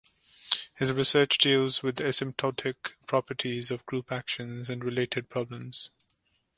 His research deals with asymptotic properties of group actions and related problems.